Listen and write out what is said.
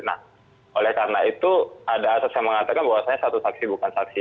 nah oleh karena itu ada asas yang mengatakan bahwasannya satu saksi bukan saksi